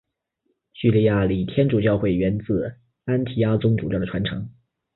叙利亚礼天主教会源自安提阿宗主教的传承。